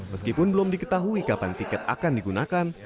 meskipun belum diketahui kapan tiket akan digunakan